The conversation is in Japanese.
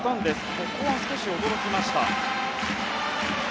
ここは少し驚きました。